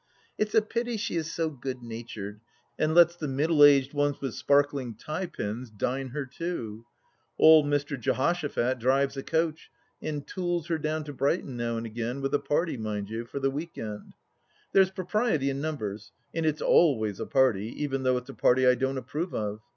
It's a pity she is so good natured and lets the middle aged ones with sparkling tie pins " dine " her too. Old Mr. Jehoshaphat drives a coach and "tools" her down to Brighton now and again — ^with a party, mind you !— for the week end. There's propriety in numbers, and it's always a party, even though it's a party I don't approve of.